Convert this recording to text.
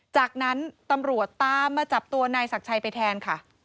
จากนั้นตำรวจตามมาจับตัวนายศักดิ์ชัยไปแทนค่ะ